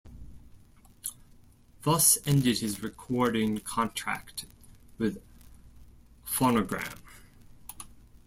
Thus ended his recording contract with Phonogram.